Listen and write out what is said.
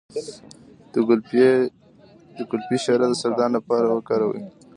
د ګلپي شیره د سرطان لپاره وکاروئ